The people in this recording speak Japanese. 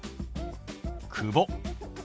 「久保」。